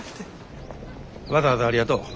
わざわざありがとう。